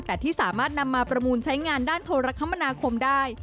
แต่ที่สามารถนำมาประมูลใช้งานด้านโทรคมนาคมได้